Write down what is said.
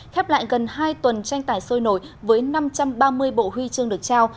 khép lại gần hai tuần tranh tài sôi nổi với năm trăm ba mươi bộ huy chương được trao